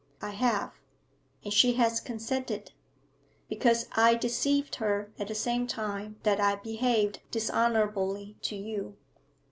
'I have.' 'And she has consented?' 'Because I deceived her at the same time that I behaved dishonourably to you.'